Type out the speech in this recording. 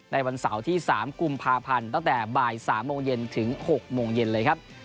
วันเสาร์ที่๓กุมภาพันธ์ตั้งแต่บ่าย๓โมงเย็นถึง๖โมงเย็นเลยครับ